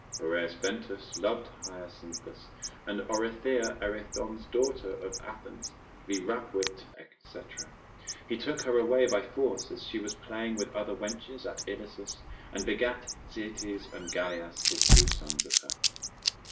Boreas Ventus loved Hyacinthus, and Orithya Ericthons's daughter of Athens: vi rapuit, &c. he took her away by force, as she was playing with other wenches at Ilissus, and begat Zetes and Galias his two sons of her.